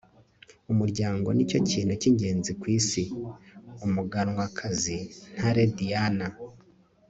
umuryango ni cyo kintu cy'ingenzi ku isi. - umuganwakazi ntare diana